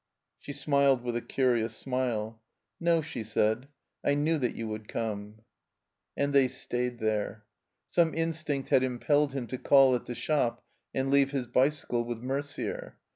She smiled with a curious smile. *'No,*' she said. "I knew that you would come." Ill THE COMBINED MAZE And they stayed there. (Some instinct had im pelled him to call at the shop, and leave his bicycle with Merder.